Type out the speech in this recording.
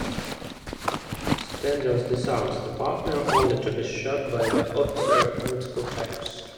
Stander disarms the partner only to be shot by the officer multiple times.